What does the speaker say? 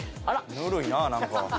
「ぬるいななんか。